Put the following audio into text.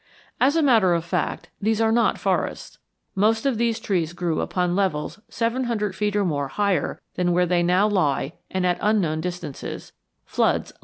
As a matter of fact, these are not forests. Most of these trees grew upon levels seven hundred feet or more higher than where they now lie and at unknown distances; floods left them here.